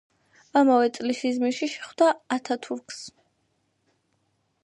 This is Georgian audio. ამავე წელს იზმირში შეხვდა ათათურქს.